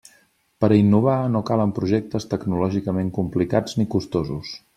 Per a innovar no calen projectes tecnològicament complicats ni costosos.